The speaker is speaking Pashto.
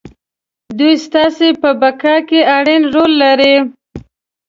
دوی ستاسې په بقا کې اړين رول لري.